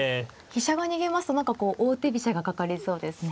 飛車が逃げますと何かこう王手飛車がかかりそうですね。